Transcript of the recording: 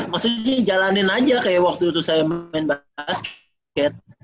maksudnya jalanin aja kayak waktu itu saya main basket